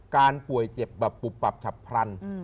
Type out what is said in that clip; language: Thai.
การป่วยเจ็บปรับปุบปรับฉับพรรณ